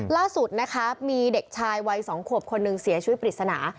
ล่าสุดนะคะมีเด็กชายวัย๒ขวบคนหนึ่งเสียชีวิตปริศนา